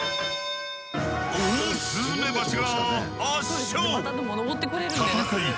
オオスズメバチが圧勝！